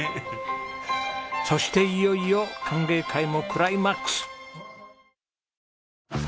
そしていよいよ歓迎会もクライマックス。